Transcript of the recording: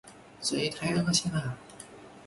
这也太恶心了。